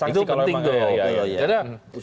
itu penting doang